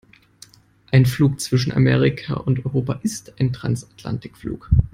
Ein Flug zwischen Amerika und Europa ist ein Transatlantikflug.